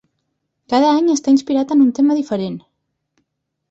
Cada any està inspirat en un tema diferent.